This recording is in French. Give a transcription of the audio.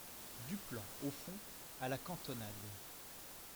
Duplan au fond , à la cantonade.